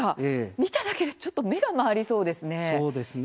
見ただけで、ちょっと目が回りそうですね。